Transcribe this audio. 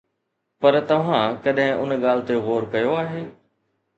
پر توهان ڪڏهن ان ڳالهه تي غور ڪيو آهي؟